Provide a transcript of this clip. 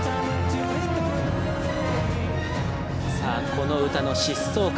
この歌の疾走感。